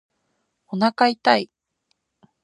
おなか痛い